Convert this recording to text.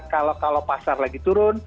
kalau pasar lagi turun